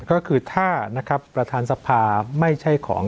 ก็คือถ้าประธานสภาไม่ใช่ของ